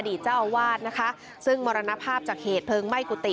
เจ้าอาวาสนะคะซึ่งมรณภาพจากเหตุเพลิงไหม้กุฏิ